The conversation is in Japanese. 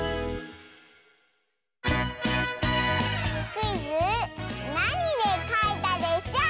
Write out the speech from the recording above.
クイズ「なにでかいたでショー」！